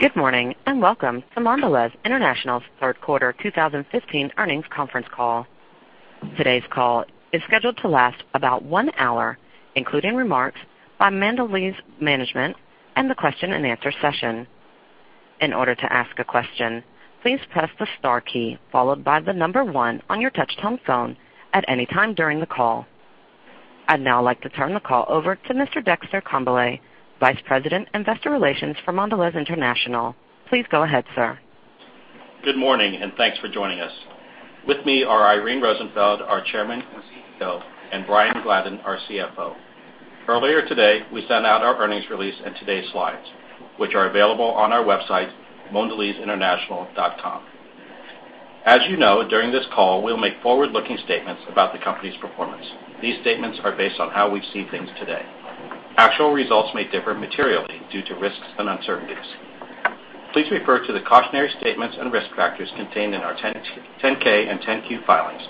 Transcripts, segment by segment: Good morning, and welcome to Mondelez International's third quarter 2015 earnings conference call. Today's call is scheduled to last about one hour, including remarks by Mondelez management and the question and answer session. In order to ask a question, please press the star key followed by the number one on your touch-tone phone at any time during the call. I'd now like to turn the call over to Mr. Dexter Congbalay, Vice President, Investor Relations for Mondelez International. Please go ahead, sir. Good morning, thanks for joining us. With me are Irene Rosenfeld, our Chairman and CEO, Brian Gladden, our CFO. Earlier today, we sent out our earnings release and today's slides, which are available on our website, mondelezinternational.com. As you know, during this call, we'll make forward-looking statements about the company's performance. These statements are based on how we see things today. Actual results may differ materially due to risks and uncertainties. Please refer to the cautionary statements and risk factors contained in our 10-K and 10-Q filings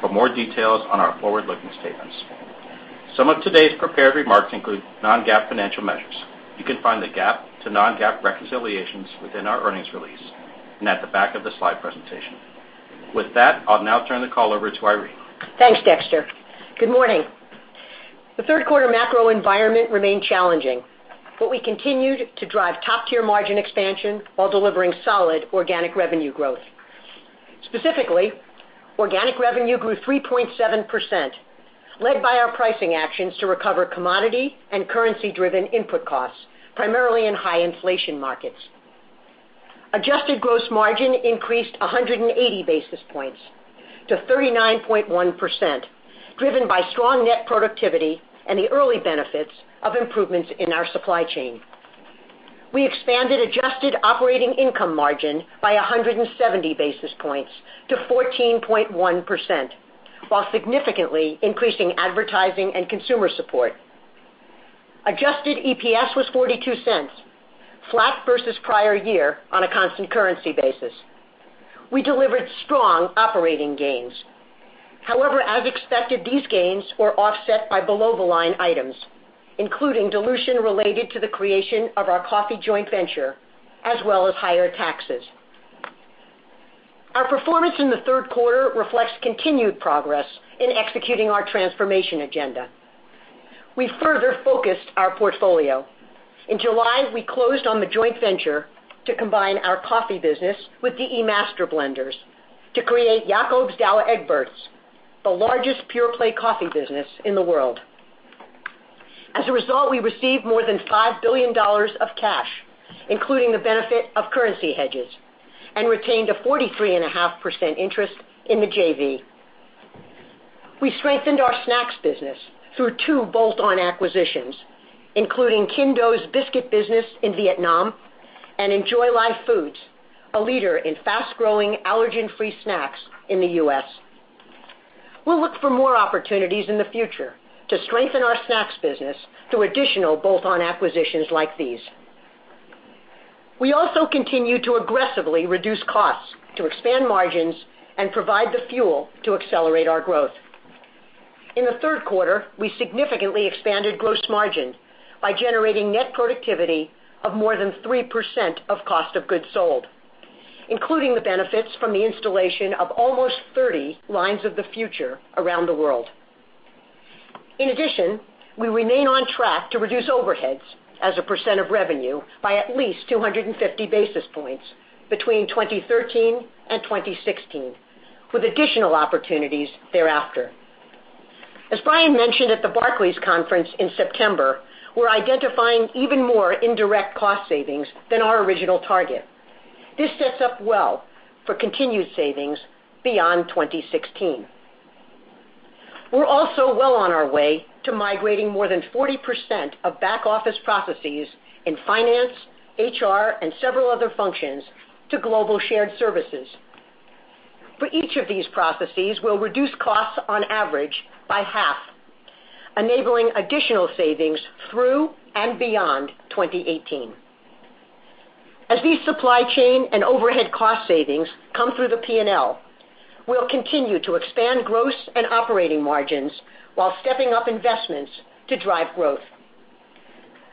for more details on our forward-looking statements. Some of today's prepared remarks include non-GAAP financial measures. You can find the GAAP to non-GAAP reconciliations within our earnings release and at the back of the slide presentation. With that, I'll now turn the call over to Irene. Thanks, Dexter. Good morning. The third quarter macro environment remained challenging. We continued to drive top-tier margin expansion while delivering solid organic revenue growth. Specifically, organic revenue grew 3.7%, led by our pricing actions to recover commodity and currency-driven input costs, primarily in high inflation markets. Adjusted gross margin increased 180 basis points to 39.1%, driven by strong net productivity and the early benefits of improvements in our supply chain. We expanded adjusted operating income margin by 170 basis points to 14.1%, while significantly increasing advertising and consumer support. Adjusted EPS was $0.42, flat versus prior year on a constant currency basis. We delivered strong operating gains. However, as expected, these gains were offset by below-the-line items, including dilution related to the creation of our coffee joint venture, as well as higher taxes. Our performance in the third quarter reflects continued progress in executing our transformation agenda. We further focused our portfolio. In July, we closed on the joint venture to combine our coffee business with D.E. Master Blenders to create Jacobs Douwe Egberts, the largest pure-play coffee business in the world. As a result, we received more than $5 billion of cash, including the benefit of currency hedges, and retained a 43.5% interest in the JV. We strengthened our snacks business through two bolt-on acquisitions, including Kinh Do Biscuit business in Vietnam, Enjoy Life Foods, a leader in fast-growing allergen-free snacks in the U.S. We'll look for more opportunities in the future to strengthen our snacks business through additional bolt-on acquisitions like these. We also continue to aggressively reduce costs to expand margins and provide the fuel to accelerate our growth. In the third quarter, we significantly expanded gross margin by generating net productivity of more than 3% of cost of goods sold, including the benefits from the installation of almost 30 Lines of the Future around the world. In addition, we remain on track to reduce overheads as a percent of revenue by at least 250 basis points between 2013 and 2016, with additional opportunities thereafter. As Brian mentioned at the Barclays conference in September, we're identifying even more indirect cost savings than our original target. This sets up well for continued savings beyond 2016. We're also well on our way to migrating more than 40% of back-office processes in finance, HR, and several other functions to global shared services. For each of these processes, we'll reduce costs on average by half, enabling additional savings through and beyond 2018. These supply chain and overhead cost savings come through the P&L, we'll continue to expand gross and operating margins while stepping up investments to drive growth.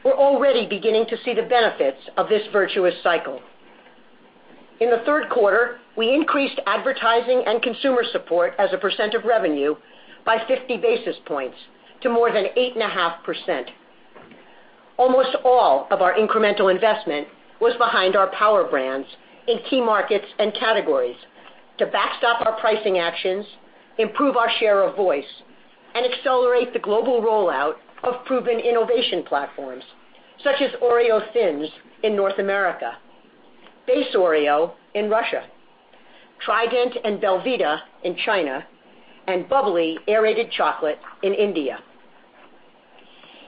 We're already beginning to see the benefits of this virtuous cycle. In the third quarter, we increased advertising and consumer support as a percent of revenue by 50 basis points to more than 8.5%. Almost all of our incremental investment was behind our power brands in key markets and categories to backstop our pricing actions, improve our share of voice, and accelerate the global rollout of proven innovation platforms such as Oreo Thins in North America, Base Oreo in Russia, Trident and belVita in China, and Bubbly Aerated Chocolate in India.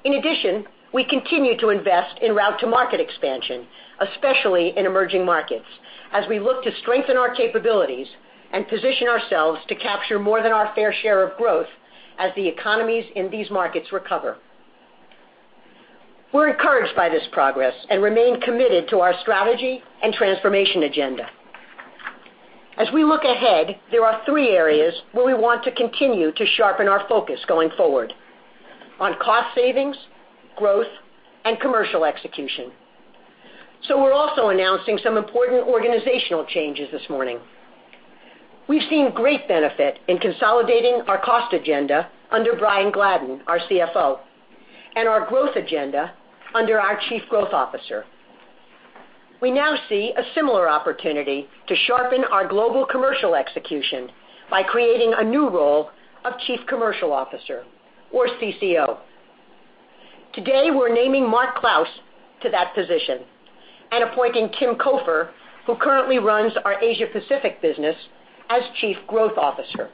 In addition, we continue to invest in route to market expansion, especially in emerging markets, as we look to strengthen our capabilities and position ourselves to capture more than our fair share of growth as the economies in these markets recover. We're encouraged by this progress and remain committed to our strategy and transformation agenda. We look ahead, there are three areas where we want to continue to sharpen our focus going forward, on cost savings, growth, and commercial execution. We're also announcing some important organizational changes this morning. We've seen great benefit in consolidating our cost agenda under Brian Gladden, our CFO, and our growth agenda under our chief growth officer. We now see a similar opportunity to sharpen our global commercial execution by creating a new role of chief commercial officer, or CCO. Today, we're naming Mark Clouse to that position and appointing Tim Cofer, who currently runs our Asia Pacific business, as Chief Growth Officer.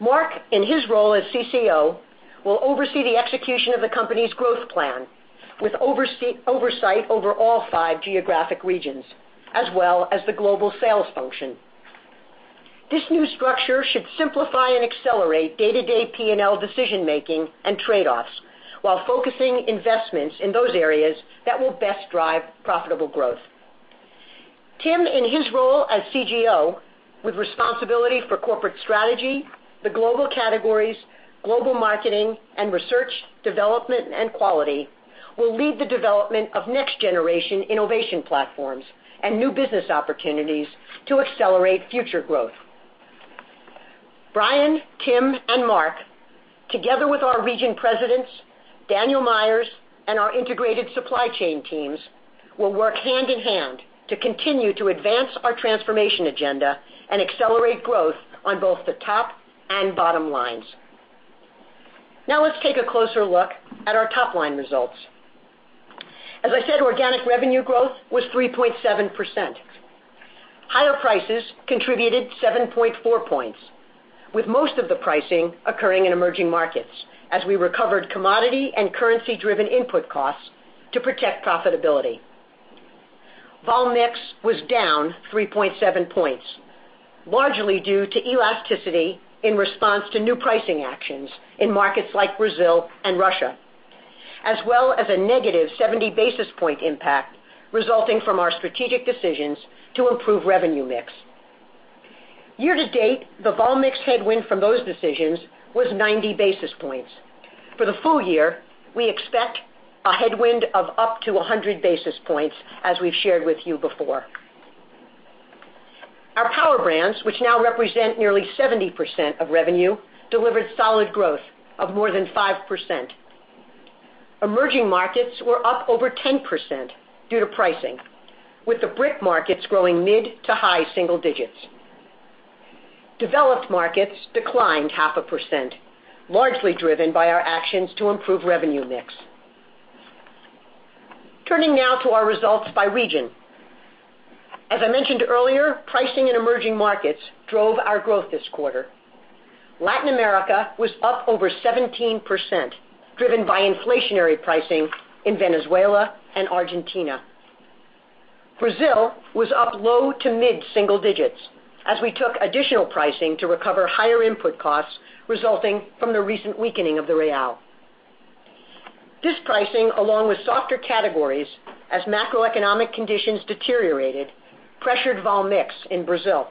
Mark, in his role as CCO, will oversee the execution of the company's growth plan with oversight over all five geographic regions, as well as the global sales function. This new structure should simplify and accelerate day-to-day P&L decision-making and trade-offs while focusing investments in those areas that will best drive profitable growth. Tim, in his role as CGO, with responsibility for corporate strategy, the global categories, global marketing, and research, development, and quality, will lead the development of next-generation innovation platforms and new business opportunities to accelerate future growth. Brian, Tim, and Mark, together with our region presidents, Daniel Myers, and our integrated supply chain teams, will work hand-in-hand to continue to advance our transformation agenda and accelerate growth on both the top and bottom lines. Now let's take a closer look at our top-line results. As I said, organic revenue growth was 3.7%. Higher prices contributed 7.4 points, with most of the pricing occurring in emerging markets as we recovered commodity and currency-driven input costs to protect profitability. Volume/Mix was down 3.7 points, largely due to elasticity in response to new pricing actions in markets like Brazil and Russia, as well as a negative 70 basis point impact resulting from our strategic decisions to improve revenue mix. Year to date, the Volume/Mix headwind from those decisions was 90 basis points. For the full year, we expect a headwind of up to 100 basis points, as we've shared with you before. Our power brands, which now represent nearly 70% of revenue, delivered solid growth of more than 5%. Emerging markets were up over 10% due to pricing, with the BRIC markets growing mid to high single digits. Developed markets declined half a percent, largely driven by our actions to improve revenue mix. Turning now to our results by region. As I mentioned earlier, pricing in emerging markets drove our growth this quarter. Latin America was up over 17%, driven by inflationary pricing in Venezuela and Argentina. Brazil was up low to mid single digits as we took additional pricing to recover higher input costs resulting from the recent weakening of the real. This pricing, along with softer categories as macroeconomic conditions deteriorated, pressured Volume/Mix in Brazil.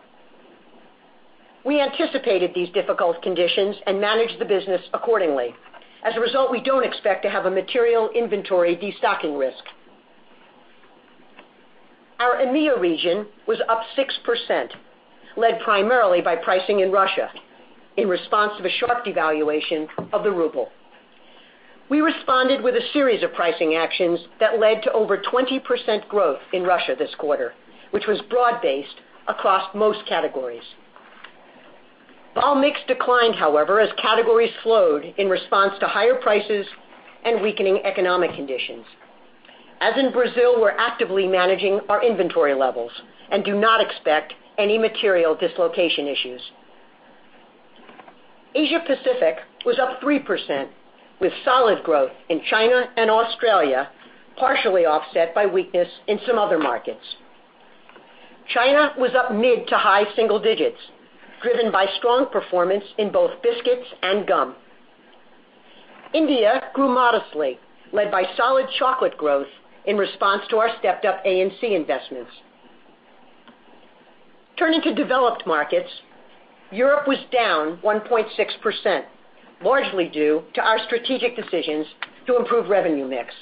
We anticipated these difficult conditions and managed the business accordingly. As a result, we don't expect to have a material inventory destocking risk. Our EMEA region was up 6%, led primarily by pricing in Russia in response to the sharp devaluation of the ruble. We responded with a series of pricing actions that led to over 20% growth in Russia this quarter, which was broad-based across most categories. Volume/Mix declined, however, as categories slowed in response to higher prices and weakening economic conditions. As in Brazil, we're actively managing our inventory levels and do not expect any material dislocation issues. Asia Pacific was up 3%, with solid growth in China and Australia, partially offset by weakness in some other markets. China was up mid to high single digits, driven by strong performance in both biscuits and gum. India grew modestly, led by solid chocolate growth in response to our stepped-up A&C investments. Turning to developed markets, Europe was down 1.6%, largely due to our strategic decisions to improve revenue mix.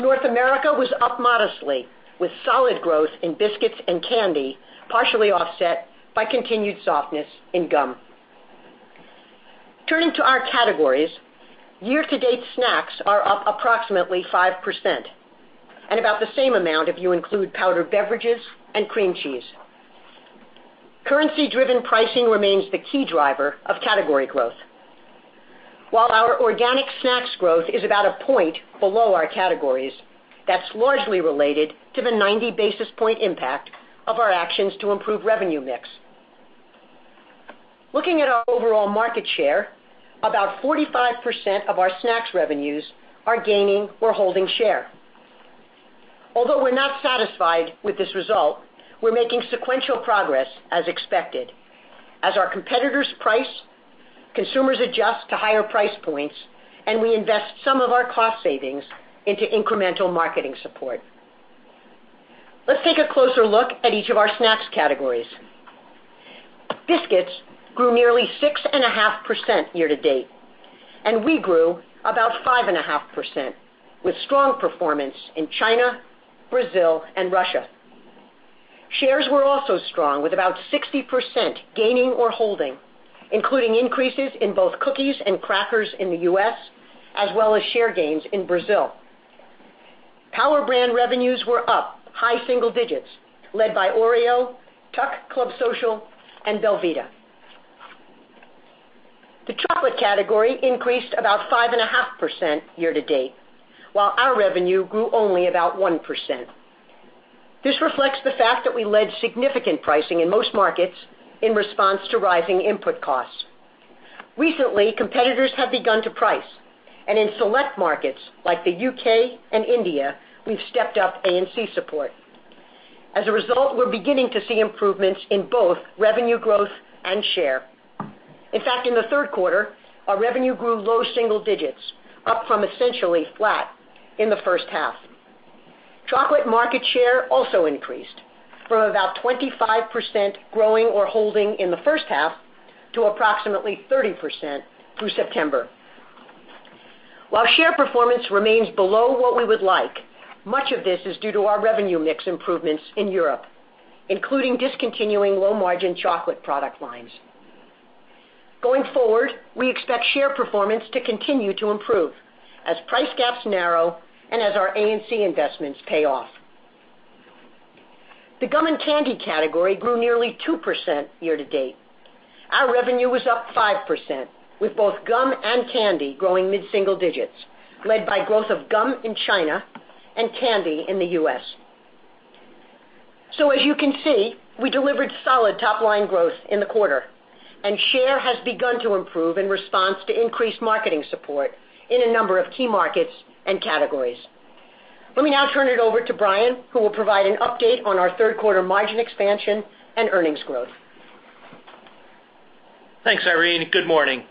North America was up modestly with solid growth in biscuits and candy, partially offset by continued softness in gum. Turning to our categories, year-to-date snacks are up approximately 5% and about the same amount if you include powdered beverages and cream cheese. Currency-driven pricing remains the key driver of category growth. While our organic snacks growth is about a point below our categories, that's largely related to the 90 basis point impact of our actions to improve revenue mix. Looking at our overall market share, about 45% of our snacks revenues are gaining or holding share. Although we're not satisfied with this result, we're making sequential progress as expected. As our competitors price Consumers adjust to higher price points, and we invest some of our cost savings into incremental marketing support. Let's take a closer look at each of our snacks categories. Biscuits grew nearly 6.5% year to date. We grew about 5.5% with strong performance in China, Brazil, and Russia. Shares were also strong, with about 60% gaining or holding, including increases in both cookies and crackers in the U.S., as well as share gains in Brazil. Power brand revenues were up high single digits, led by Oreo, TUC, Club Social, and belVita. The chocolate category increased about 5.5% year to date, while our revenue grew only about 1%. This reflects the fact that we led significant pricing in most markets in response to rising input costs. Recently, competitors have begun to price. In select markets like the U.K. and India, we've stepped up A&C support. As a result, we're beginning to see improvements in both revenue growth and share. In fact, in the third quarter, our revenue grew low single digits, up from essentially flat in the first half. Chocolate market share also increased from about 25% growing or holding in the first half to approximately 30% through September. While share performance remains below what we would like, much of this is due to our revenue mix improvements in Europe, including discontinuing low-margin chocolate product lines. Going forward, we expect share performance to continue to improve as price gaps narrow. As our A&C investments pay off, the gum and candy category grew nearly 2% year to date. Our revenue was up 5%, with both gum and candy growing mid-single digits, led by growth of gum in China and candy in the U.S. As you can see, we delivered solid top-line growth in the quarter. Share has begun to improve in response to increased marketing support in a number of key markets and categories. Let me now turn it over to Brian, who will provide an update on our third quarter margin expansion and earnings growth. Thanks, Irene, good morning.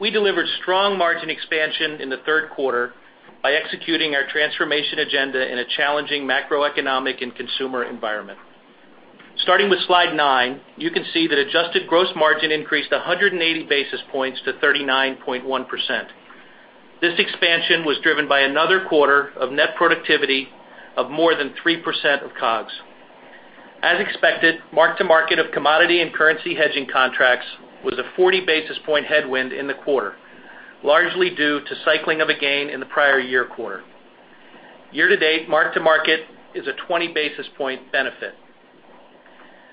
We delivered strong margin expansion in the third quarter by executing our transformation agenda in a challenging macroeconomic and consumer environment. Starting with Slide 9, you can see that adjusted gross margin increased 180 basis points to 39.1%. This expansion was driven by another quarter of net productivity of more than 3% of COGS. As expected, mark-to-market of commodity and currency hedging contracts was a 40 basis point headwind in the quarter, largely due to cycling of a gain in the prior year quarter. Year to date, mark-to-market is a 20 basis point benefit.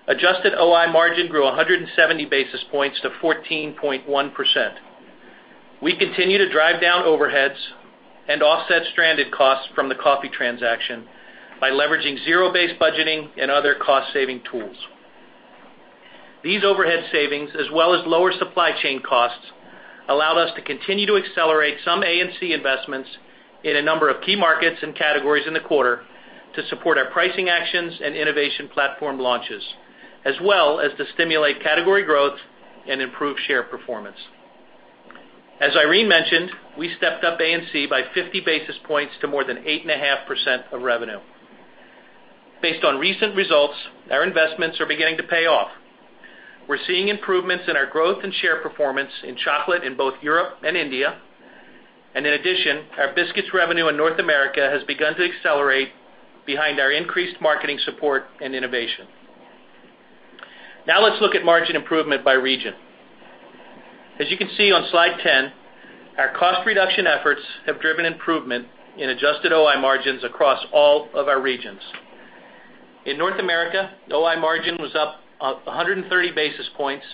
Adjusted OI margin grew 170 basis points to 14.1%. We continue to drive down overheads and offset stranded costs from the coffee transaction by leveraging zero-based budgeting and other cost-saving tools. These overhead savings, as well as lower supply chain costs, allowed us to continue to accelerate some A&C investments in a number of key markets and categories in the quarter to support our pricing actions and innovation platform launches, as well as to stimulate category growth and improve share performance. As Irene mentioned, we stepped up A&C by 50 basis points to more than 8.5% of revenue. Based on recent results, our investments are beginning to pay off. We're seeing improvements in our growth and share performance in chocolate in both Europe and India. In addition, our biscuits revenue in North America has begun to accelerate behind our increased marketing support and innovation. Let's look at margin improvement by region. As you can see on Slide 10, our cost reduction efforts have driven improvement in adjusted OI margins across all of our regions. In North America, OI margin was up 130 basis points,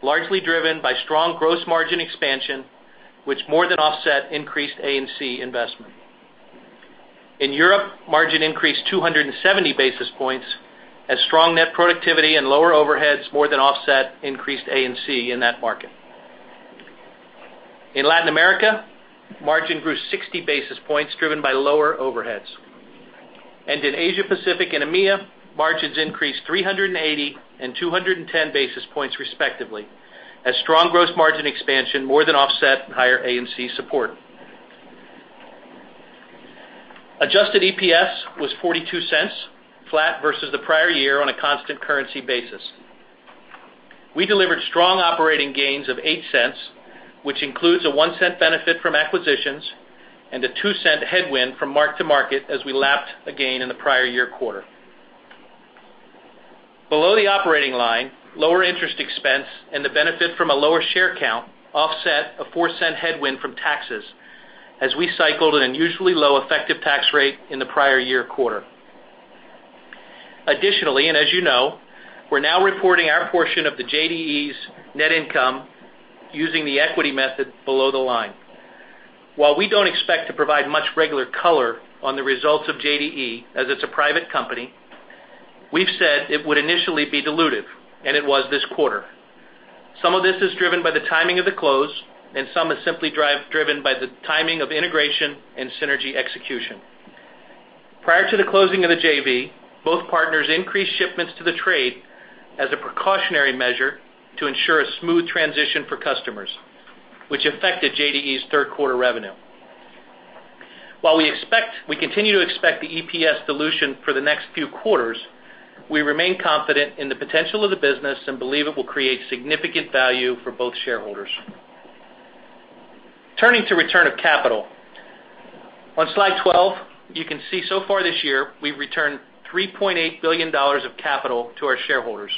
largely driven by strong gross margin expansion, which more than offset increased A&C investment. In Europe, margin increased 270 basis points as strong net productivity and lower overheads more than offset increased A&C in that market. In Latin America, margin grew 60 basis points driven by lower overheads. In Asia Pacific and EMEA, margins increased 380 and 210 basis points respectively, as strong gross margin expansion more than offset higher A&C support. Adjusted EPS was $0.42, flat versus the prior year on a constant currency basis. We delivered strong operating gains of $0.08, which includes a $0.01 benefit from acquisitions and a $0.02 headwind from mark to market as we lapped again in the prior year quarter. Below the operating line, lower interest expense and the benefit from a lower share count offset a $0.04 headwind from taxes as we cycled an unusually low effective tax rate in the prior year quarter. Additionally, as you know, we're now reporting our portion of the JDE's net income using the equity method below the line. While we don't expect to provide much regular color on the results of JDE, as it's a private company, we've said it would initially be dilutive, and it was this quarter. Some of this is driven by the timing of the close, and some is simply driven by the timing of integration and synergy execution. Prior to the closing of the JV, both partners increased shipments to the trade as a precautionary measure to ensure a smooth transition for customers, which affected JDE's third quarter revenue. While we continue to expect the EPS dilution for the next few quarters, we remain confident in the potential of the business and believe it will create significant value for both shareholders. Turning to return of capital. On Slide 12, you can see so far this year we've returned $3.8 billion of capital to our shareholders.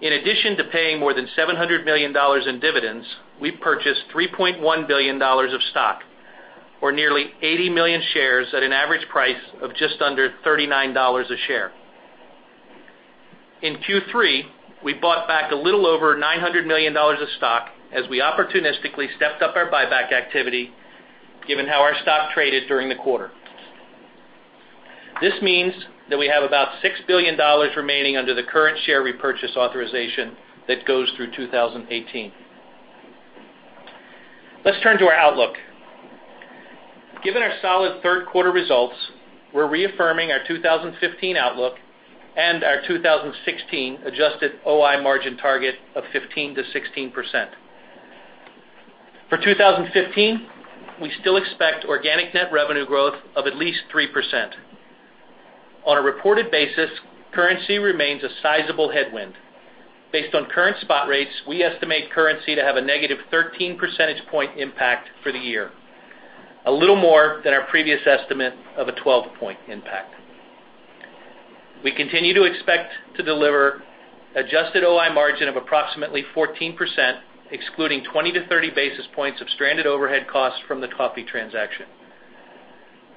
In addition to paying more than $700 million in dividends, we purchased $3.1 billion of stock, or nearly 80 million shares at an average price of just under $39 a share. In Q3, we bought back a little over $900 million of stock as we opportunistically stepped up our buyback activity, given how our stock traded during the quarter. This means that we have about $6 billion remaining under the current share repurchase authorization that goes through 2018. Let's turn to our outlook. Given our solid third quarter results, we are reaffirming our 2015 outlook and our 2016 adjusted OI margin target of 15%-16%. For 2015, we still expect organic net revenue growth of at least 3%. On a reported basis, currency remains a sizable headwind. Based on current spot rates, we estimate currency to have a negative 13 percentage point impact for the year, a little more than our previous estimate of a 12 point impact. We continue to expect to deliver adjusted OI margin of approximately 14%, excluding 20 to 30 basis points of stranded overhead costs from the coffee transaction.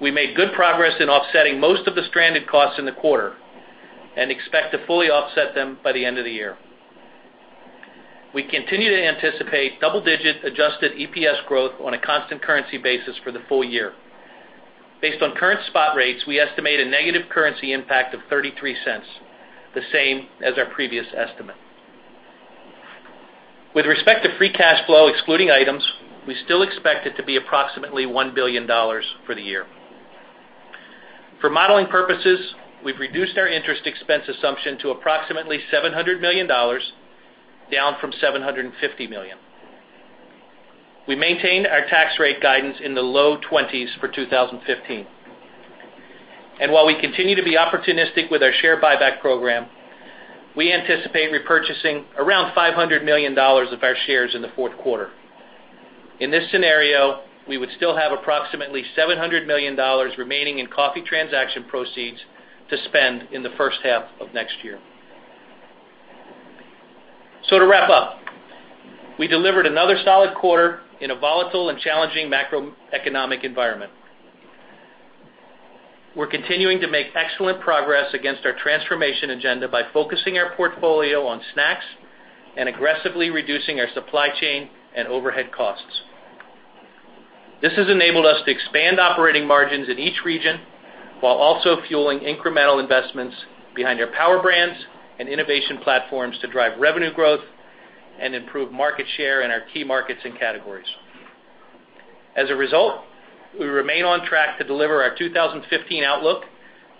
We made good progress in offsetting most of the stranded costs in the quarter and expect to fully offset them by the end of the year. We continue to anticipate double-digit adjusted EPS growth on a constant currency basis for the full year. Based on current spot rates, we estimate a negative currency impact of $0.33, the same as our previous estimate. With respect to free cash flow excluding items, we still expect it to be approximately $1 billion for the year. For modeling purposes, we have reduced our interest expense assumption to approximately $700 million, down from $750 million. We maintain our tax rate guidance in the low twenties for 2015. While we continue to be opportunistic with our share buyback program, we anticipate repurchasing around $500 million of our shares in the fourth quarter. In this scenario, we would still have approximately $700 million remaining in coffee transaction proceeds to spend in the first half of next year. To wrap up, we delivered another solid quarter in a volatile and challenging macroeconomic environment. We are continuing to make excellent progress against our transformation agenda by focusing our portfolio on snacks and aggressively reducing our supply chain and overhead costs. This has enabled us to expand operating margins in each region while also fueling incremental investments behind our power brands and innovation platforms to drive revenue growth and improve market share in our key markets and categories. As a result, we remain on track to deliver our 2015 outlook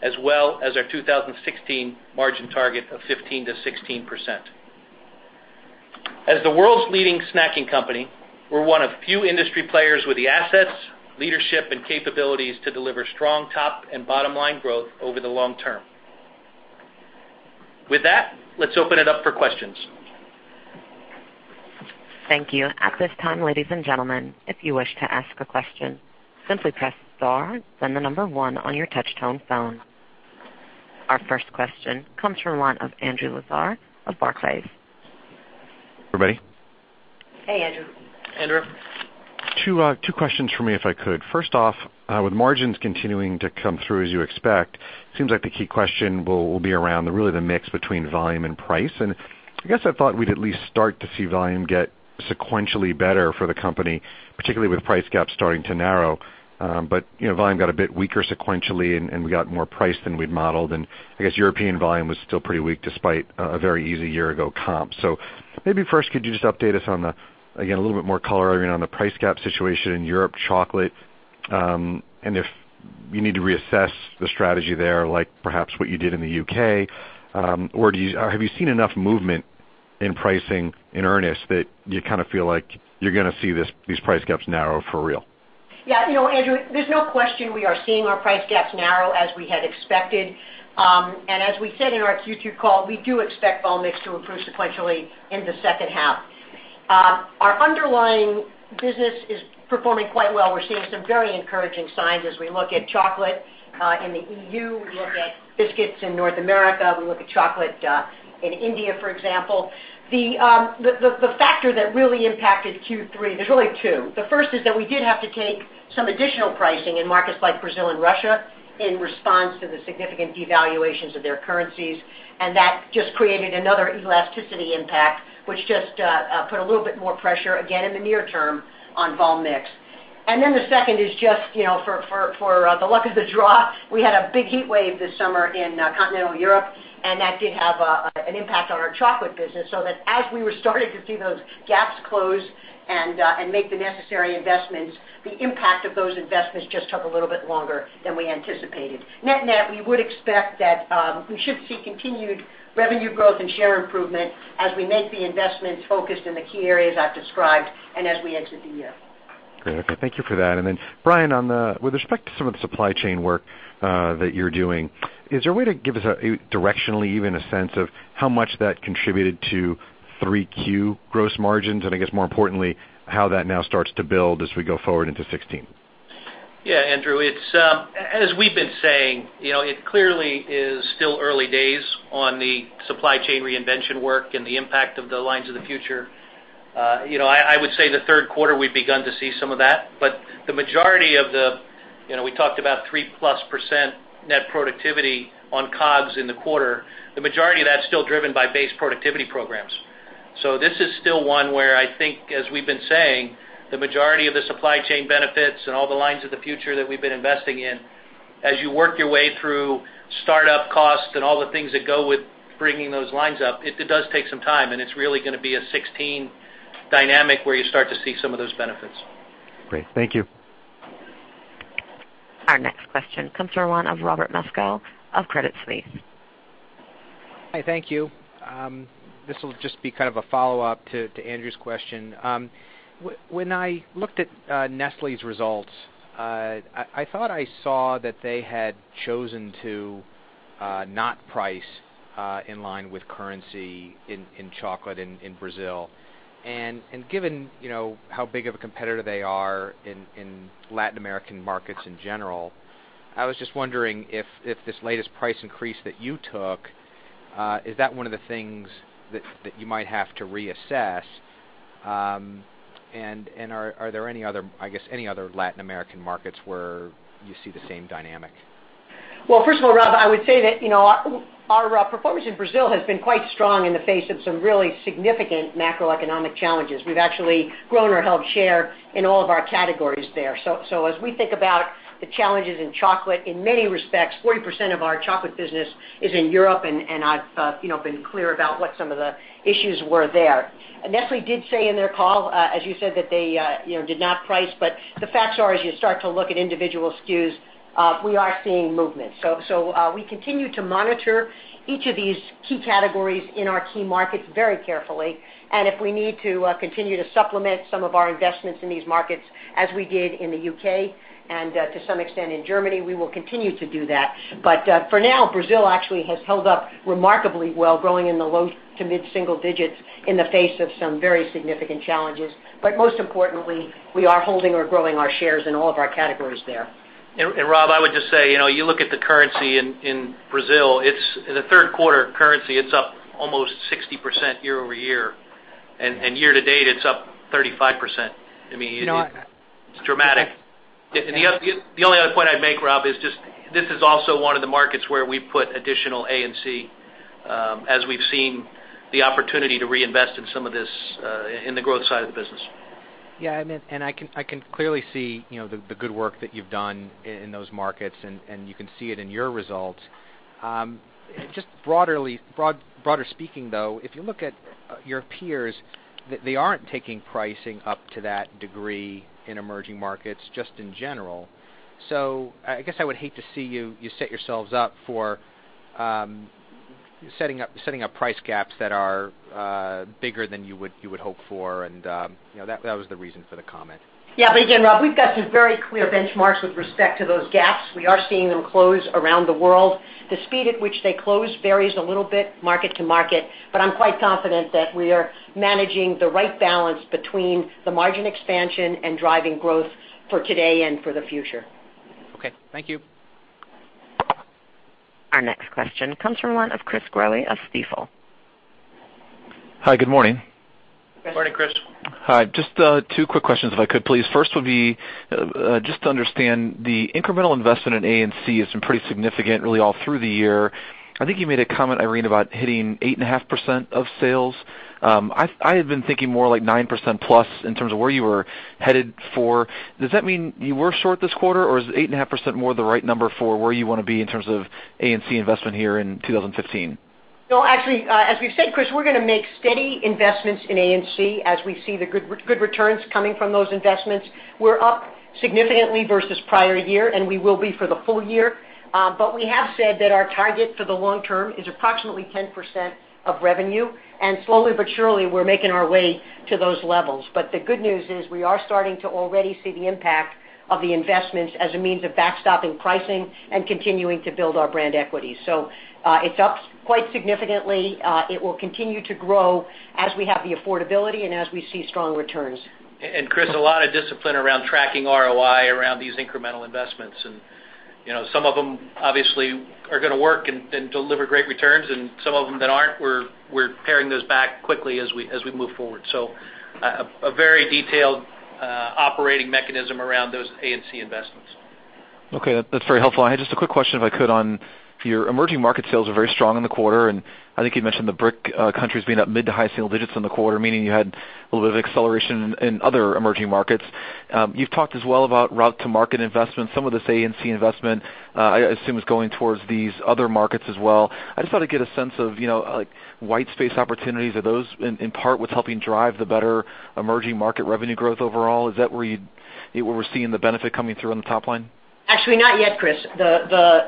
as well as our 2016 margin target of 15%-16%. As the world's leading snacking company, we are one of few industry players with the assets, leadership, and capabilities to deliver strong top and bottom line growth over the long term. With that, let's open it up for questions. Thank you. At this time, ladies and gentlemen, if you wish to ask a question, simply press star, then the number one on your touch tone phone. Our first question comes from the line of Andrew Lazar of Barclays. Everybody. Hey, Andrew. Andrew. Two questions for me, if I could. First off, with margins continuing to come through as you expect, seems like the key question will be around really the mix between volume and price. I guess I thought we'd at least start to see volume get sequentially better for the company, particularly with price gaps starting to narrow. But volume got a bit weaker sequentially, and we got more price than we'd modeled. I guess European volume was still pretty weak despite a very easy year-ago comp. Maybe first, could you just update us on the, again, a little bit more color on the price gap situation in Europe chocolate, and if you need to reassess the strategy there, like perhaps what you did in the U.K., or have you seen enough movement in pricing in earnest that you kind of feel like you're going to see these price gaps narrow for real? Yeah, Andrew, there's no question we are seeing our price gaps narrow as we had expected. As we said in our Q2 call, we do expect vol mix to improve sequentially in the second half. Our underlying business is performing quite well. We're seeing some very encouraging signs as we look at chocolate in the EU, we look at biscuits in North America, we look at chocolate in India, for example. The factor that really impacted Q3, there's really two. The first is that we did have to take some additional pricing in markets like Brazil and Russia in response to the significant devaluations of their currencies, and that just created another elasticity impact, which just put a little bit more pressure, again, in the near term on vol mix. The second is just for the luck of the draw, we had a big heat wave this summer in continental Europe, and that did have an impact on our chocolate business. As we were starting to see those gaps close and make the necessary investments, the impact of those investments just took a little bit longer than we anticipated. Net net, we would expect that we should see continued revenue growth and share improvement as we make the investments focused in the key areas I've described and as we enter the year. Great. Okay. Thank you for that. Brian, with respect to some of the supply chain work that you're doing, is there a way to give us a directionally even a sense of how much that contributed to 3Q gross margins? I guess more importantly, how that now starts to build as we go forward into 2016. Yeah, Andrew, as we've been saying, it clearly is still early days on the supply chain reinvention work and the impact of the Lines of the Future. I would say the third quarter we've begun to see some of that, but the majority of, we talked about 3% plus net productivity on COGS in the quarter. The majority of that's still driven by base productivity programs. This is still one where I think, as we've been saying, the majority of the supply chain benefits and all the Lines of the Future that we've been investing in, as you work your way through start-up costs and all the things that go with bringing those lines up, it does take some time, and it's really going to be a 2016 dynamic where you start to see some of those benefits. Great. Thank you. Our next question comes from the line of Robert Moskow of Credit Suisse. Hi, thank you. This will just be kind of a follow-up to Andrew's question. When I looked at Nestlé's results, I thought I saw that they had chosen to not price in line with currency in chocolate in Brazil. Given how big of a competitor they are in Latin American markets in general, I was just wondering if this latest price increase that you took, is that one of the things that you might have to reassess? Are there any other Latin American markets where you see the same dynamic? Well, first of all, Rob, I would say that our performance in Brazil has been quite strong in the face of some really significant macroeconomic challenges. We've actually grown or held share in all of our categories there. As we think about the challenges in chocolate, in many respects, 40% of our chocolate business is in Europe, and I've been clear about what some of the issues were there. Nestlé did say in their call, as you said, that they did not price, but the facts are, as you start to look at individual SKUs, we are seeing movement. We continue to monitor each of these key categories in our key markets very carefully, and if we need to continue to supplement some of our investments in these markets as we did in the U.K. and to some extent in Germany, we will continue to do that. For now, Brazil actually has held up remarkably well, growing in the low to mid-single digits in the face of some very significant challenges. Most importantly, we are holding or growing our shares in all of our categories there. Rob, I would just say, you look at the currency in Brazil, in the third quarter currency, it's up almost 60% year-over-year. Year-to-date, it's up 35%. It's dramatic. The only other point I'd make, Rob, is this is also one of the markets where we put additional A&C as we've seen the opportunity to reinvest in some of this in the growth side of the business. I can clearly see the good work that you've done in those markets, and you can see it in your results. Broader speaking, though, if you look at your peers, they aren't taking pricing up to that degree in emerging markets, just in general. I guess I would hate to see you set yourselves up for setting up price gaps that are bigger than you would hope for, and that was the reason for the comment. Again, Rob, we've got some very clear benchmarks with respect to those gaps. We are seeing them close around the world. The speed at which they close varies a little bit market-to-market, but I'm quite confident that we are managing the right balance between the margin expansion and driving growth for today and for the future. Okay. Thank you. Our next question comes from the line of Chris Growe of Stifel. Hi, good morning. Good morning, Chris. Hi. Just two quick questions if I could, please. First would be just to understand the incremental investment in A&C has been pretty significant really all through the year. I think you made a comment, Irene, about hitting 8.5% of sales. I had been thinking more like 9% plus in terms of where you were headed for. Does that mean you were short this quarter or is 8.5% more the right number for where you want to be in terms of A&C investment here in 2015? No, actually, as we've said, Chris, we're going to make steady investments in A&C as we see the good returns coming from those investments. We're up significantly versus prior year, and we will be for the full year. We have said that our target for the long term is approximately 10% of revenue, and slowly but surely, we're making our way to those levels. The good news is we are starting to already see the impact of the investments as a means of backstopping pricing and continuing to build our brand equity. It's up quite significantly. It will continue to grow as we have the affordability and as we see strong returns. Chris, a lot of discipline around tracking ROI around these incremental investments, and some of them obviously are going to work and deliver great returns, and some of them that aren't, we're pairing those back quickly as we move forward. A very detailed operating mechanism around those A&C investments. Okay. That's very helpful. I had just a quick question, if I could, on your emerging market sales are very strong in the quarter, and I think you mentioned the BRIC countries being up mid to high single digits in the quarter, meaning you had a little bit of acceleration in other emerging markets. You've talked as well about route to market investments. Some of this A&C investment, I assume, is going towards these other markets as well. I just thought I'd get a sense of white space opportunities. Are those in part what's helping drive the better emerging market revenue growth overall? Is that where we're seeing the benefit coming through on the top line? Actually, not yet, Chris. The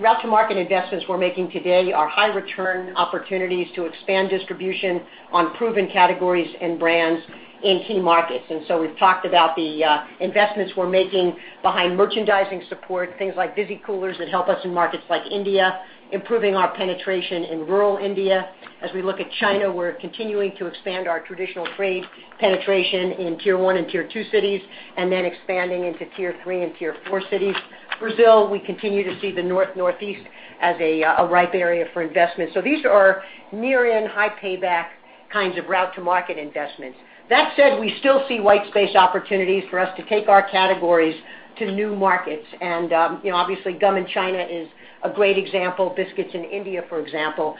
route to market investments we're making today are high return opportunities to expand distribution on proven categories and brands in key markets. We've talked about the investments we're making behind merchandising support, things like Visi-Coolers that help us in markets like India, improving our penetration in rural India. As we look at China, we're continuing to expand our traditional trade penetration in tier 1 and tier 2 cities, and then expanding into tier 3 and tier 4 cities. Brazil, we continue to see the north, northeast as a ripe area for investment. These are near-in, high payback kinds of route to market investments. That said, we still see white space opportunities for us to take our categories to new markets. Obviously, gum in China is a great example, biscuits in India, for example.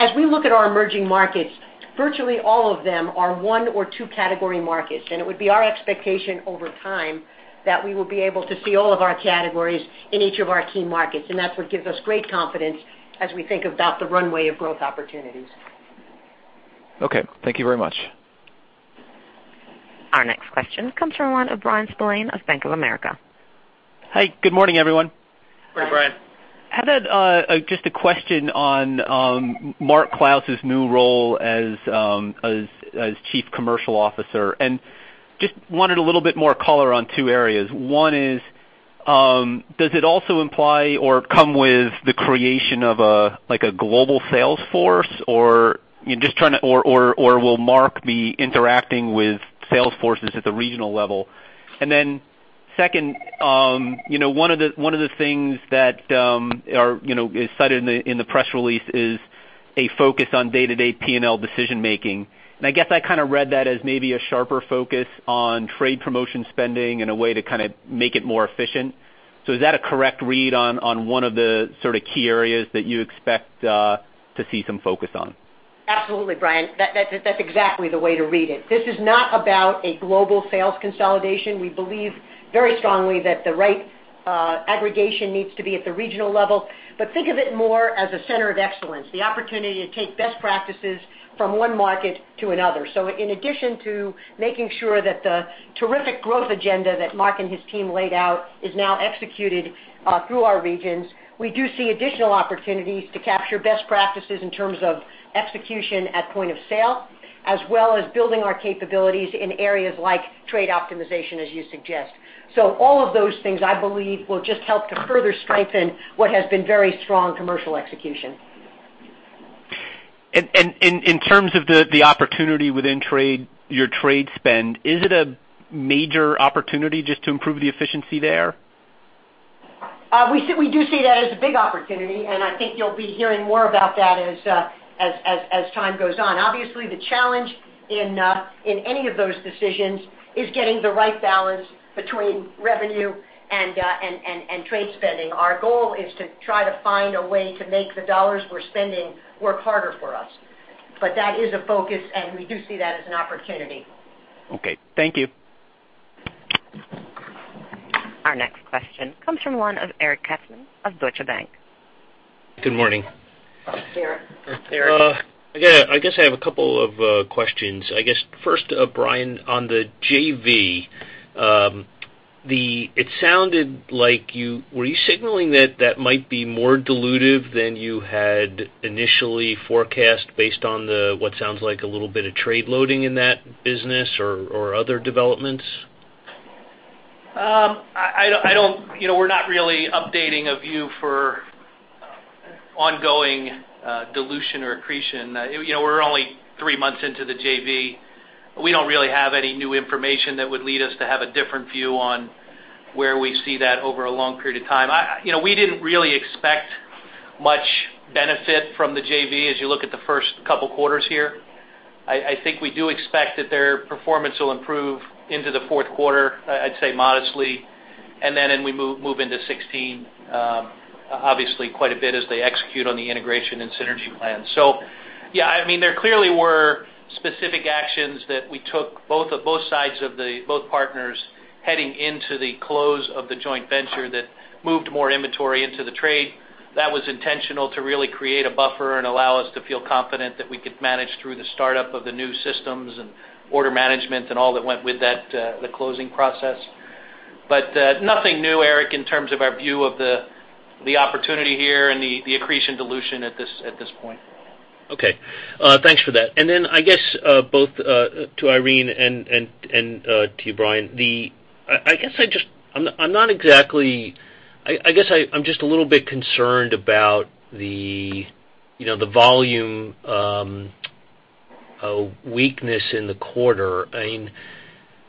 As we look at our emerging markets, virtually all of them are one or two category markets. It would be our expectation over time that we will be able to see all of our categories in each of our key markets. That's what gives us great confidence as we think about the runway of growth opportunities. Okay. Thank you very much. Our next question comes from the line of Bryan Spillane of Bank of America. Hi, good morning, everyone. Hi. Good morning, Brian. Had just a question on Mark Clouse's new role as Chief Commercial Officer. Just wanted a little bit more color on two areas. One is, does it also imply or come with the creation of a global sales force or will Mark be interacting with sales forces at the regional level? Then second, one of the things that is cited in the press release is a focus on day-to-day P&L decision making. I guess I kind of read that as maybe a sharper focus on trade promotion spending and a way to kind of make it more efficient. Is that a correct read on one of the sort of key areas that you expect to see some focus on? Absolutely, Brian. That's exactly the way to read it. This is not about a global sales consolidation. We believe very strongly that the right aggregation needs to be at the regional level. Think of it more as a center of excellence, the opportunity to take best practices from one market to another. In addition to making sure that the terrific growth agenda that Mark and his team laid out is now executed through our regions, we do see additional opportunities to capture best practices in terms of execution at point of sale, as well as building our capabilities in areas like trade optimization, as you suggest. All of those things, I believe, will just help to further strengthen what has been very strong commercial execution. In terms of the opportunity within your trade spend, is it a major opportunity just to improve the efficiency there? We do see that as a big opportunity, I think you'll be hearing more about that as time goes on. Obviously, the challenge in any of those decisions is getting the right balance between revenue and trade spending. Our goal is to try to find a way to make the dollars we're spending work harder for us. That is a focus, and we do see that as an opportunity. Okay. Thank you. Our next question comes from the line of Eric Katzman of Deutsche Bank. Good morning. Erik. I guess I have a couple of questions. I guess first, Brian, on the JV, were you signaling that that might be more dilutive than you had initially forecast based on the what sounds like a little bit of trade loading in that business or other developments? We're not really updating a view for ongoing dilution or accretion. We're only three months into the JV. We don't really have any new information that would lead us to have a different view on where we see that over a long period of time. We didn't really expect much benefit from the JV as you look at the first couple quarters here. I think we do expect that their performance will improve into the fourth quarter, I'd say modestly. Then we move into 2016, obviously quite a bit as they execute on the integration and synergy plan. Yeah, there clearly were specific actions that we took, both partners heading into the close of the joint venture that moved more inventory into the trade. That was intentional to really create a buffer and allow us to feel confident that we could manage through the startup of the new systems and order management and all that went with the closing process. Nothing new, Erik, in terms of our view of the opportunity here and the accretion dilution at this point. Okay. Thanks for that. I guess both to Irene and to you, Brian, I guess I'm just a little bit concerned about the volume weakness in the quarter.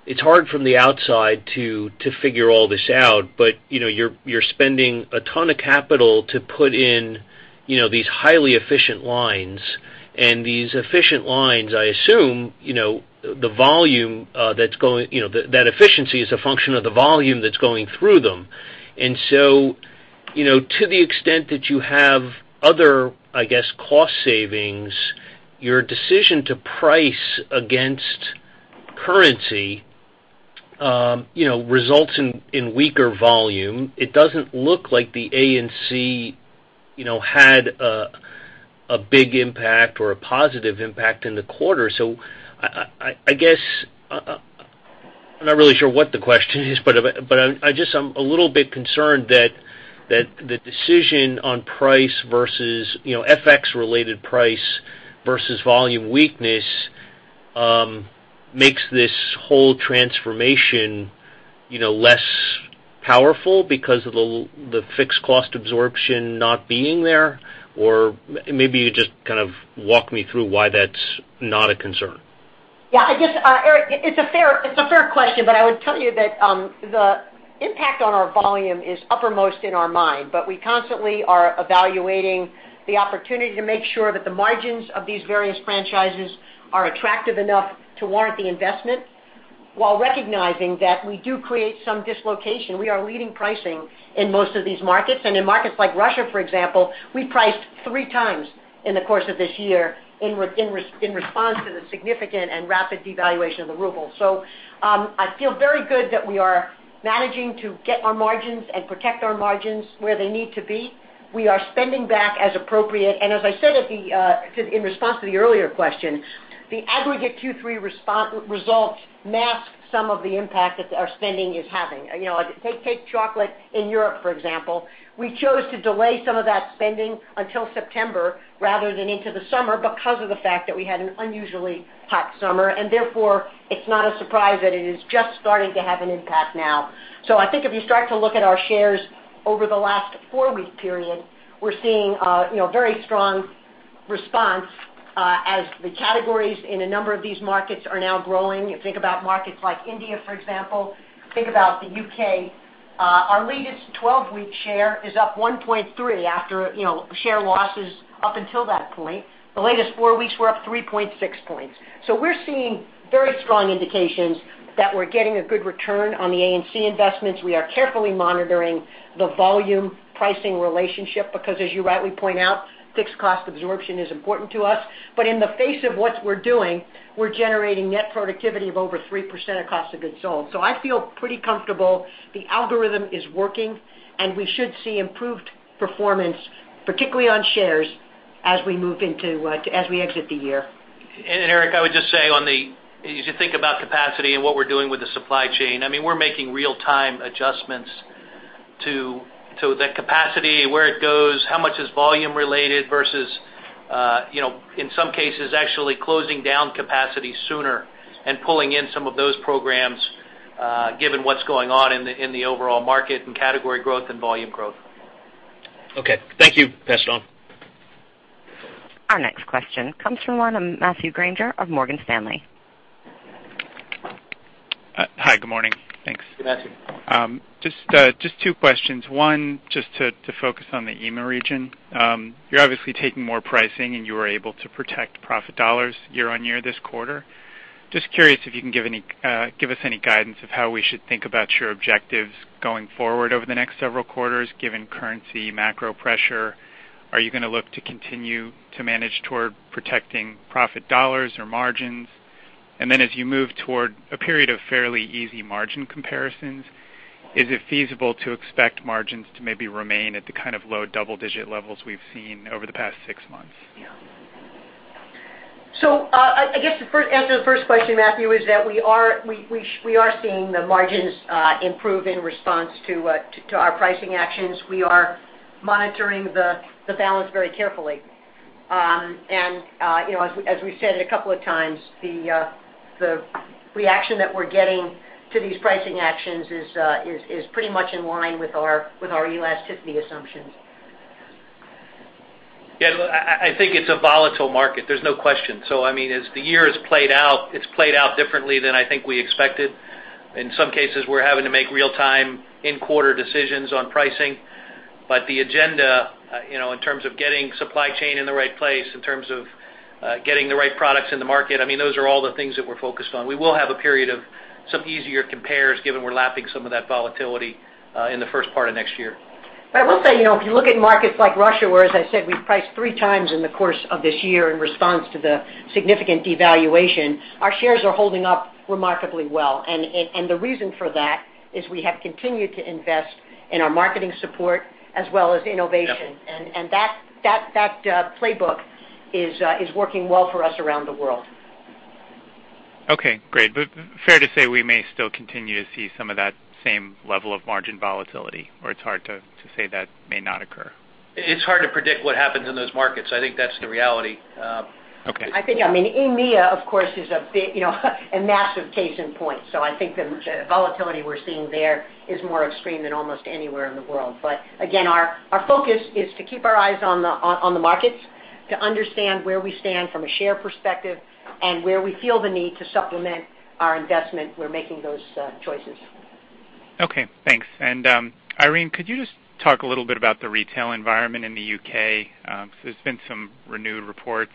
It's hard from the outside to figure all this out, you're spending a ton of capital to put in These highly efficient lines, and these efficient lines, I assume, that efficiency is a function of the volume that's going through them. To the extent that you have other, I guess, cost savings, your decision to price against currency, results in weaker volume. It doesn't look like the A&C had a big impact or a positive impact in the quarter. I guess I'm not really sure what the question is, but I'm a little bit concerned that the decision on price versus FX related price versus volume weakness makes this whole transformation less powerful because of the fixed cost absorption not being there. Maybe you just walk me through why that's not a concern. Eric, it's a fair question, I would tell you that the impact on our volume is uppermost in our mind, we constantly are evaluating the opportunity to make sure that the margins of these various franchises are attractive enough to warrant the investment while recognizing that we do create some dislocation. We are leading pricing in most of these markets. In markets like Russia, for example, we priced 3 times in the course of this year in response to the significant and rapid devaluation of the ruble. I feel very good that we are managing to get our margins and protect our margins where they need to be. We are spending back as appropriate. As I said in response to the earlier question, the aggregate Q3 results mask some of the impact that our spending is having. Take chocolate in Europe, for example. We chose to delay some of that spending until September rather than into the summer because of the fact that we had an unusually hot summer. Therefore, it's not a surprise that it is just starting to have an impact now. I think if you start to look at our shares over the last 4-week period, we're seeing very strong response as the categories in a number of these markets are now growing. Think about markets like India, for example, think about the U.K. Our latest 12-week share is up 1.3% after share losses up until that point. The latest 4 weeks, we're up 3.6 percentage points. We're seeing very strong indications that we're getting a good return on the A&C investments. We are carefully monitoring the volume pricing relationship because as you rightly point out, fixed cost absorption is important to us. In the face of what we're doing, we're generating net productivity of over 3% of cost of goods sold. I feel pretty comfortable the algorithm is working, and we should see improved performance, particularly on shares as we exit the year. Eric, I would just say on the-- as you think about capacity and what we're doing with the supply chain, we're making real-time adjustments to the capacity, where it goes, how much is volume-related versus, in some cases, actually closing down capacity sooner and pulling in some of those programs given what's going on in the overall market and category growth and volume growth. Okay. Thank you. Pass it on. Our next question comes from one Matthew Grainger of Morgan Stanley. Hi, good morning. Thanks. Good, Matthew. Just two questions. One, just to focus on the EMEA region. You're obviously taking more pricing, and you were able to protect profit dollars year-over-year this quarter. Just curious if you can give us any guidance of how we should think about your objectives going forward over the next several quarters, given currency macro pressure. Are you going to look to continue to manage toward protecting profit dollars or margins? Then as you move toward a period of fairly easy margin comparisons, is it feasible to expect margins to maybe remain at the kind of low double-digit levels we've seen over the past six months? I guess the answer to the first question, Matthew, is that we are seeing the margins improve in response to our pricing actions. We are monitoring the balance very carefully. As we've said it a couple of times, the reaction that we're getting to these pricing actions is pretty much in line with our elasticity assumptions. I think it's a volatile market, there's no question. As the year has played out, it's played out differently than I think we expected. In some cases, we're having to make real-time in-quarter decisions on pricing. The agenda in terms of getting supply chain in the right place, in terms of getting the right products in the market, those are all the things that we're focused on. We will have a period of some easier compares given we're lapping some of that volatility in the first part of next year. I will say if you look at markets like Russia, where as I said, we priced three times in the course of this year in response to the significant devaluation, our shares are holding up remarkably well. The reason for that is we have continued to invest in our marketing support as well as innovation. Yep. That playbook is working well for us around the world. Okay, great. Fair to say we may still continue to see some of that same level of margin volatility, or it's hard to say that may not occur? It's hard to predict what happens in those markets. I think that's the reality. Okay. I think, EMEA, of course, is a massive case in point. I think the volatility we're seeing there is more extreme than almost anywhere in the world. Again, our focus is to keep our eyes on the markets, to understand where we stand from a share perspective and where we feel the need to supplement our investment. We're making those choices. Okay, thanks. Irene, could you just talk a little bit about the retail environment in the U.K.? There's been some renewed reports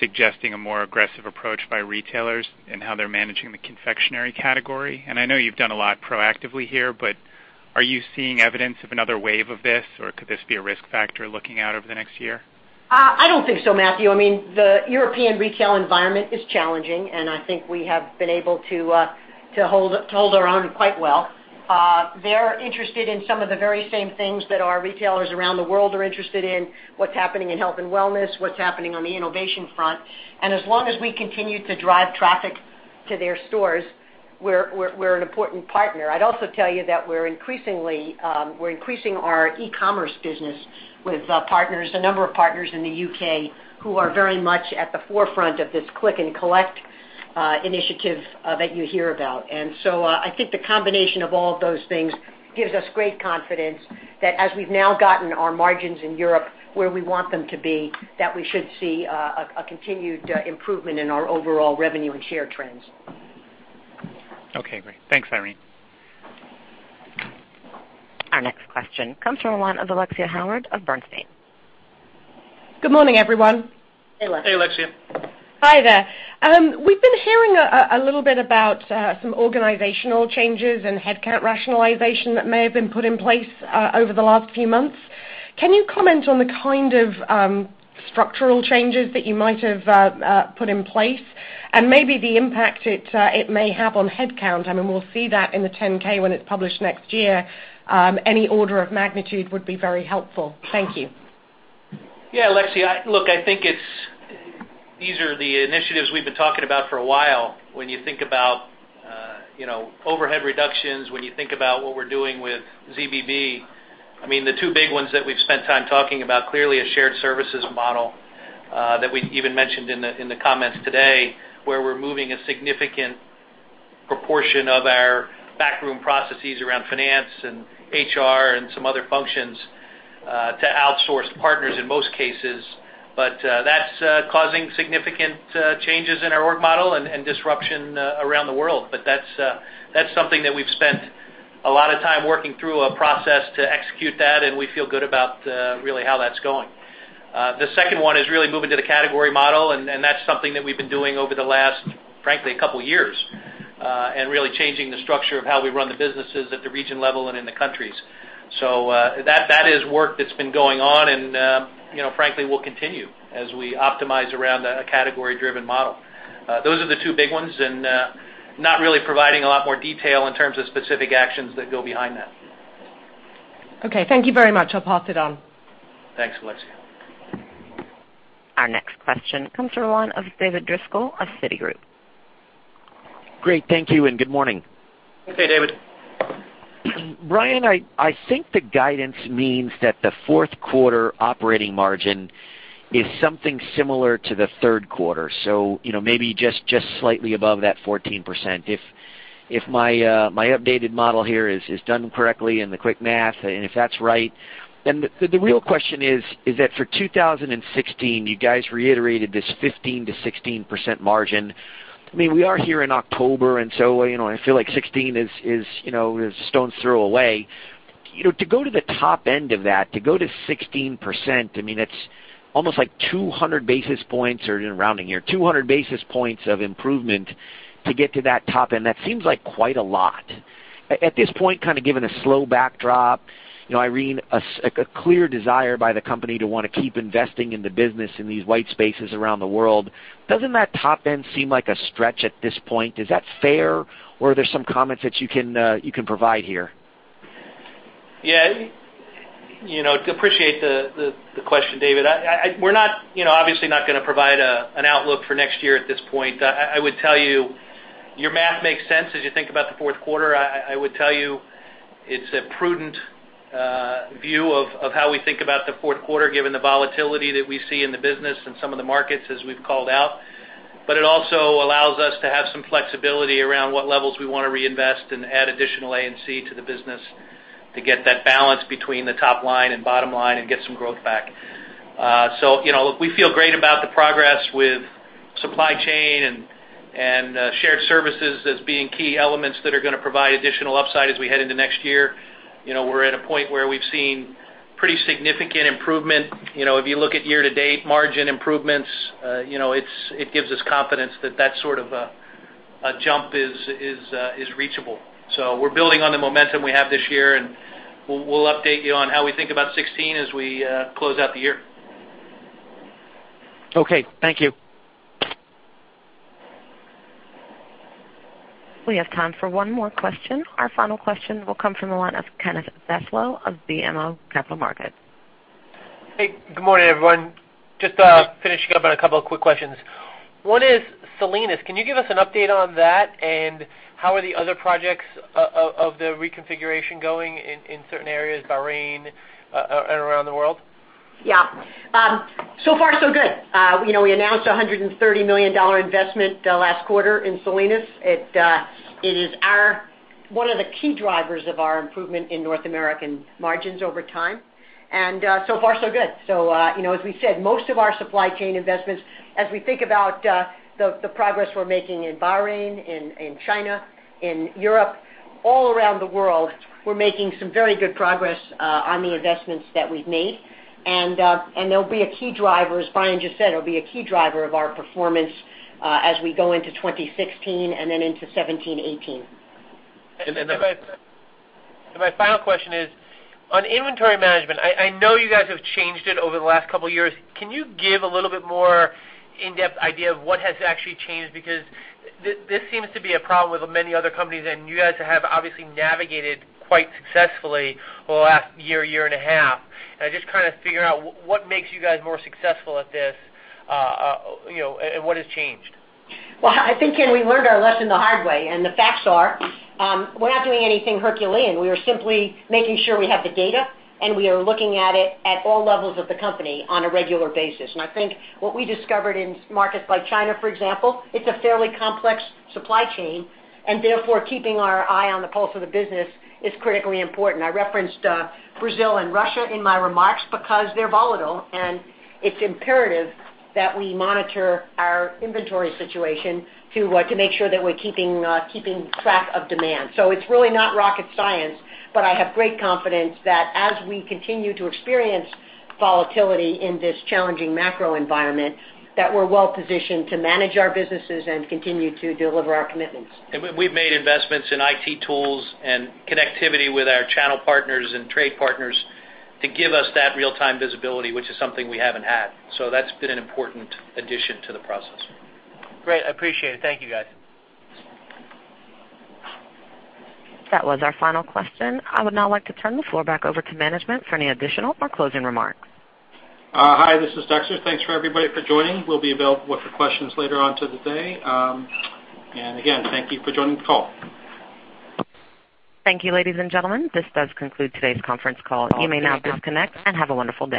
suggesting a more aggressive approach by retailers in how they're managing the confectionery category. I know you've done a lot proactively here, but are you seeing evidence of another wave of this, or could this be a risk factor looking out over the next year? I don't think so, Matthew. The European retail environment is challenging, I think we have been able to hold our own quite well. They're interested in some of the very same things that our retailers around the world are interested in, what's happening in health and wellness, what's happening on the innovation front. As long as we continue to drive traffic to their stores, we're an important partner. I'd also tell you that we're increasing our e-commerce business with a number of partners in the U.K. who are very much at the forefront of this click and collect initiative that you hear about. So I think the combination of all of those things gives us great confidence that as we've now gotten our margins in Europe where we want them to be, that we should see a continued improvement in our overall revenue and share trends. Okay, great. Thanks, Irene. Our next question comes from the line of Alexia Howard of Bernstein. Good morning, everyone. Hey, Alexia. Hey, Alexia. Hi there. We've been hearing a little bit about some organizational changes and headcount rationalization that may have been put in place over the last few months. Can you comment on the kind of structural changes that you might have put in place and maybe the impact it may have on headcount? I mean, we'll see that in the 10K when it's published next year. Any order of magnitude would be very helpful. Thank you. Yeah, Alexia, look, I think these are the initiatives we've been talking about for a while. When you think about overhead reductions, when you think about what we're doing with ZBB, the two big ones that we've spent time talking about, clearly a shared services model that we even mentioned in the comments today, where we're moving a significant proportion of our backroom processes around finance and HR and some other functions to outsource partners in most cases. That's causing significant changes in our work model and disruption around the world. That's something that we've spent a lot of time working through a process to execute that, and we feel good about really how that's going. The second one is really moving to the category model, that's something that we've been doing over the last, frankly, couple of years, really changing the structure of how we run the businesses at the region level and in the countries. That is work that's been going on frankly, will continue as we optimize around a category-driven model. Those are the two big ones and not really providing a lot more detail in terms of specific actions that go behind that. Okay, thank you very much. I'll pass it on. Thanks, Alexia Howard. Our next question comes from the line of David Driscoll of Citigroup. Great. Thank you and good morning. Hey, David. Brian, I think the guidance means that the fourth quarter operating margin is something similar to the third quarter. Maybe just slightly above that 14%, if my updated model here is done correctly and the quick math, and if that's right. The real question is that for 2016, you guys reiterated this 15%-16% margin. We are here in October, I feel like 2016 is a stone's throw away. To go to the top end of that, to go to 16%, it's almost like 200 basis points or in rounding here, 200 basis points of improvement to get to that top end. That seems like quite a lot. At this point, kind of given a slow backdrop, Irene, a clear desire by the company to want to keep investing in the business in these white spaces around the world, doesn't that top end seem like a stretch at this point? Is that fair, or are there some comments that you can provide here? Yeah. Appreciate the question, David. We're obviously not going to provide an outlook for next year at this point. I would tell you, your math makes sense as you think about the fourth quarter. I would tell you it's a prudent view of how we think about the fourth quarter, given the volatility that we see in the business and some of the markets as we've called out. It also allows us to have some flexibility around what levels we want to reinvest and add additional A&C to the business to get that balance between the top line and bottom line and get some growth back. We feel great about the progress with supply chain and shared services as being key elements that are going to provide additional upside as we head into next year. We're at a point where we've seen pretty significant improvement. If you look at year-to-date margin improvements, it gives us confidence that that sort of a jump is reachable. We're building on the momentum we have this year, and we'll update you on how we think about 2016 as we close out the year. Okay. Thank you. We have time for one more question. Our final question will come from the line of Kenneth Zaslow of BMO Capital Markets. Hey, good morning, everyone. Just finishing up on a couple of quick questions. One is Salinas. Can you give us an update on that and how are the other projects of the reconfiguration going in certain areas, Bahrain, and around the world? Yeah. So far so good. We announced a $130 million investment last quarter in Salinas. It is our One of the key drivers of our improvement in North American margins over time, and so far so good. As we said, most of our supply chain investments, as we think about the progress we're making in Bahrain, in China, in Europe, all around the world, we're making some very good progress on the investments that we've made. And they'll be a key driver, as Brian just said, it'll be a key driver of our performance as we go into 2016 and then into 2017, 2018. My final question is on inventory management. I know you guys have changed it over the last couple of years. Can you give a little bit more in-depth idea of what has actually changed? Because this seems to be a problem with many other companies, and you guys have obviously navigated quite successfully over the last year and a half. I'm just kind of figuring out what makes you guys more successful at this, and what has changed. Well, I think, Ken, we learned our lesson the hard way. The facts are, we're not doing anything Herculean. We are simply making sure we have the data, and we are looking at it at all levels of the company on a regular basis. I think what we discovered in markets like China, for example, it's a fairly complex supply chain, and therefore keeping our eye on the pulse of the business is critically important. I referenced Brazil and Russia in my remarks because they're volatile, and it's imperative that we monitor our inventory situation to make sure that we're keeping track of demand. It's really not rocket science, but I have great confidence that as we continue to experience volatility in this challenging macro environment, that we're well-positioned to manage our businesses and continue to deliver our commitments. We've made investments in IT tools and connectivity with our channel partners and trade partners to give us that real-time visibility, which is something we haven't had. That's been an important addition to the process. Great. I appreciate it. Thank you, guys. That was our final question. I would now like to turn the floor back over to management for any additional or closing remarks. Hi, this is Dexter. Thanks for everybody for joining. We'll be available for questions later on today. Again, thank you for joining the call. Thank you, ladies and gentlemen. This does conclude today's conference call. You may now disconnect and have a wonderful day.